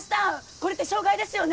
これって傷害ですよね？